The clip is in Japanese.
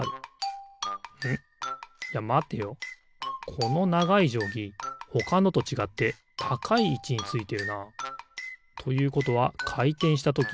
このながいじょうぎほかのとちがってたかいいちについてるな。ということはかいてんしたとき